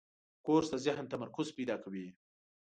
کورس د ذهن تمرکز پیدا کوي.